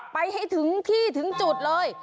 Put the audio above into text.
ไปให้ถึงที่ถึงจุดเลย